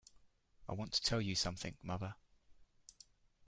I want to tell you something, mother.